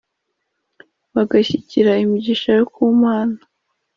bagashyikira imigisha yo kumana